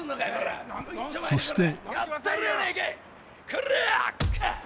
そして。